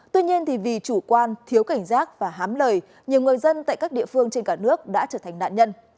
tuy nhiên vì chủ quan thiếu cảnh giác và hám lời nhiều người dân tại các địa phương trên cả nước đã trở thành nạn nhân